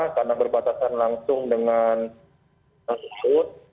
karena berbatasan langsung dengan tengkuut